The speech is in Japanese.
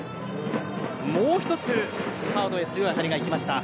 もう１つサードへ強い当たりがいきました。